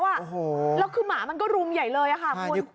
แล้วหมามันก็รุมใหญ่เลย